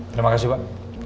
terima kasih pak